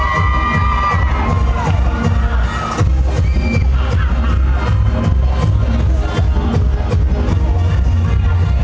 ว้าวว้าวว้าวว้าวว้าวว้าวว้าวว้าวว้าวว้าวว้าว